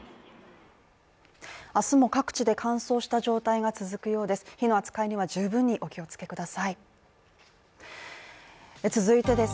明日も各地で乾燥した状態が続くようです。